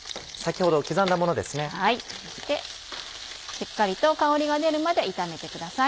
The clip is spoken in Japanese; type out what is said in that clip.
しっかりと香りが出るまで炒めてください。